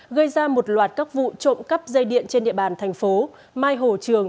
gây ra một loạt các vụ trộm cắp dây điện trên địa bàn thành phố mai hồ trường